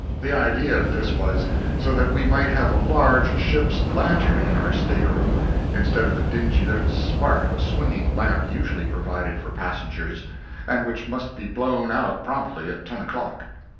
The idea of this was, so that we might have a large ship's lantern in our state room instead of the dingy little spark of a swinging lamp usually provided for passengers, and which must be blown out promptly at ten o'clock.